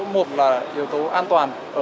một là yếu tố an toàn